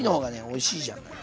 おいしいじゃない？